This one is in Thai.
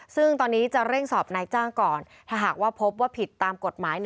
ซึ่งตอนนี้จะเร่งสอบนายจ้างก่อนถ้าหากว่าพบว่าผิดตามกฎหมาย